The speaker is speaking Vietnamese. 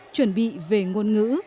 chuẩn bị về ngôn ngữ